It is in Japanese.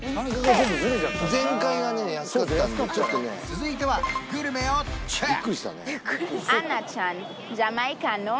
続いてはグルメをチェック！